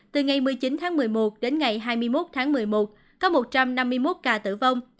từ ngày một mươi chín tháng một mươi một đến ngày hai mươi một tháng một mươi một có một trăm năm mươi một ca tử vong